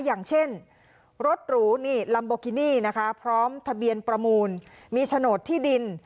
อย่างเช่นรถหรูนี่ลัมโบกินี่นะคะพร้อมทะเบียนประมูลมีโฉนดที่ดิน